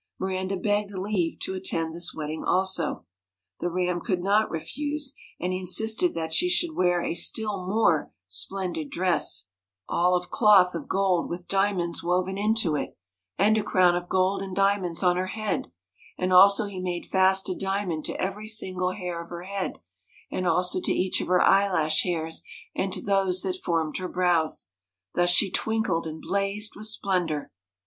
Miranda begged leave to attend this wedding also. The Ram could not refuse, and he insisted that she should wear a still more splendid dress, all IS7 MIRANDA of cloth of gold with diamonds woven into it, and a crown of gold and diamonds on her head, and also he made fast a diamond to every single hair of her head, and also to each of her eyelash hairs, and to those that formed her brows. Thus she twinkled and blazed with splendour.